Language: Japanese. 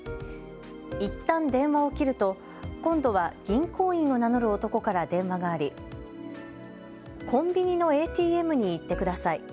いったん電話を切ると今度は銀行員を名乗る男から電話がありコンビニのＡＴＭに行ってください。